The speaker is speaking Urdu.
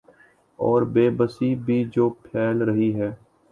اوربے بسی بھی جو پھیل رہی ہیں۔